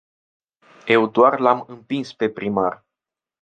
Eu doar l-am împins pe primar.